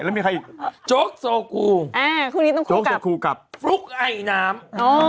แล้วมีใครอีกโจ๊กโซกูอ่าคู่นี้ต้องคู่กับโจ๊กโซกูกับฟลุ๊กไอน้ำอ๋อ